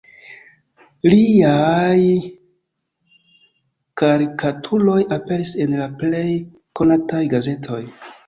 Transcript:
Liaj karikaturoj aperis en la plej konataj gazetoj.